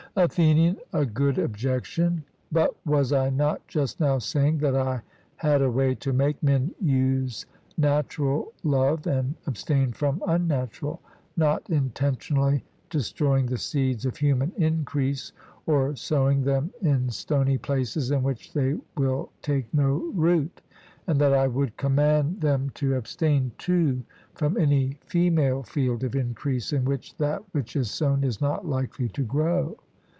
ATHENIAN: A good objection; but was I not just now saying that I had a way to make men use natural love and abstain from unnatural, not intentionally destroying the seeds of human increase, or sowing them in stony places, in which they will take no root; and that I would command them to abstain too from any female field of increase in which that which is sown is not likely to grow?